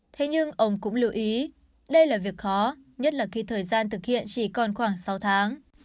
thế nhưng ông cũng lưu ý đây là việc khó nhất là khi thời gian thực hiện chỉ còn khoảng sáu tháng